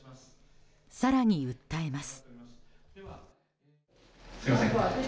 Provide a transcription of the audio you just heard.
更に訴えます。